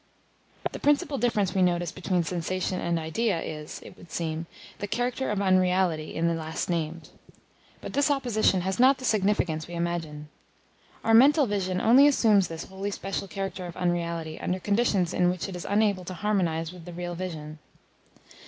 The principal difference we notice between sensation and idea is, it would seem, the character of unreality in the last named; but this opposition has not the significance we imagine. Our mental vision only assumes this wholly special character of unreality under conditions in which it is unable to harmonise with the real vision.